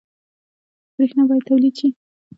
برښنا باید تولید شي